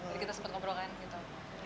jadi kita sempet ngobrol kan gitu